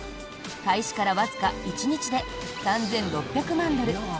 開始からわずか１日で３６００万ドル